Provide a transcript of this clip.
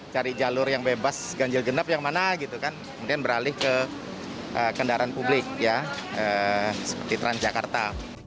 cari jalur yang bebas ganjil genap yang mana gitu kan kemudian beralih ke kendaraan publik ya seperti transjakarta